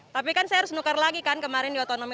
tapi kan saya harus nukar lagi kan kemarin di otonomi